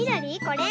これ？